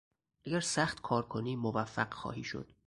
اگر سخت کار کنی موفق خواهی شد.